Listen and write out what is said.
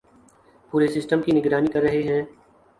پورے سسٹم کی نگرانی کررہے ہیں